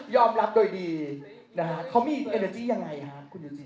รับโดยดีนะฮะเขามีเอเนอร์จี้ยังไงฮะคุณดูสิ